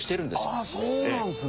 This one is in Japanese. ああそうなんですね。